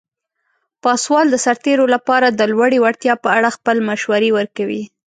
پاسوال د سرتیرو لپاره د لوړې وړتیا په اړه خپل مشورې ورکوي.